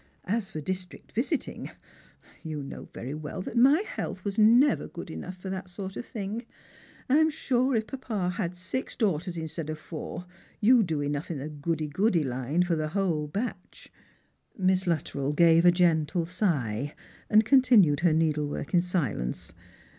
As for district visiting, you know very weU that my health was never good enough for that kind of thing ; and I'm sure if papa had six daughters instead of four, you do enough in the goody goody line for the whole batch." Miss LuttreU gave a gentle sigh, and continued her needlework in silence.